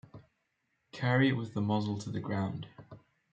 Carry it with the muzzle to the ground.